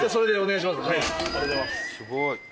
すごい。